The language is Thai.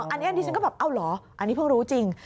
อันนี้ดิฉันก็แบบเอาเหรออันนี้เพิ่งรู้จริง